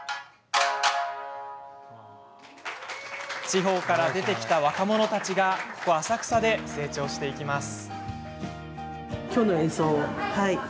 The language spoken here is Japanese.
地方から出てきた若者たちがここ浅草で成長していきます。